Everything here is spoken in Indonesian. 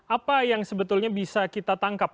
apa yang sebetulnya bisa kita tangkap